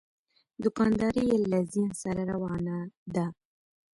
دوکانداري یې له زیان سره روانه ده.